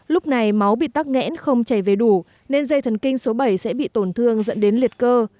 lúc này máu bị tắc nghẽn không chảy về đủ nên dây thần kinh số bảy sẽ bị tổn thương dẫn đến liệt cơ